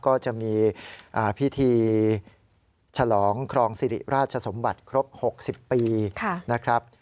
ก็จะมีพิธีฉลองครองสิริราชสมบัติครบ๖๐ปีนะครับ